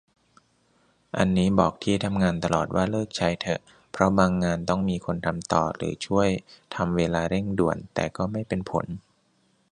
อันนี้บอกที่ทำงานตลอดว่าเลิกใช้เถอะ เพราะบางงานต้องมีคนทำต่อหรือช่วยทำเวลาเร่งด่วน แต่ก็ไม่เป็นผล